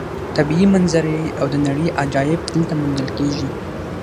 طبیعي منظرې او د نړۍ عجایب دلته موندل کېږي.